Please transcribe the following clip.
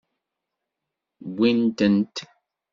Wwin-tent.